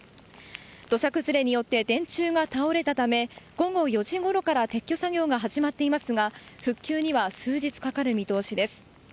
土砂崩れによって電柱が倒れたため午後４時ごろから撤去作業が始まっていますが復旧には数日かかる見通しです。